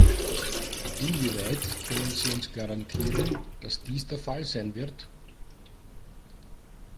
Inwieweit können Sie uns garantieren, dass dies der Fall sein wird?